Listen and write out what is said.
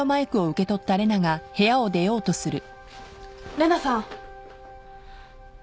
玲奈さん。